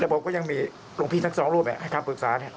และผมก็ยังมีลงพี่ทั้งสองร่วมเนี่ยให้ทำปรึกษาเนี่ย